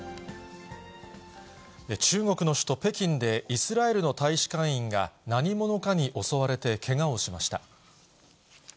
中国の首都北京で、イスラエルの大使館員が何者かに襲われてけがをしました。